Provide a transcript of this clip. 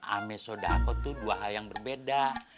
ame sodakoh tuh dua a yang berbeda